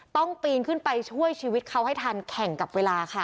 ปีนขึ้นไปช่วยชีวิตเขาให้ทันแข่งกับเวลาค่ะ